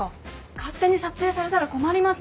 勝手に撮影されたら困ります！